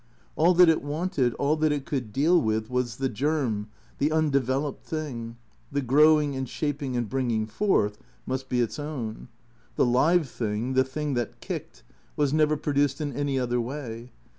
All that it wanted, all that it could deal with was the germ, the undeveloped thing; the growing and shaping and bringing forth must be its own. The live thing, the thing that kicked, was never produced in any other way.